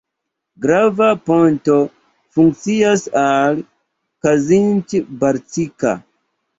Grava ponto funkcias al Kazincbarcika.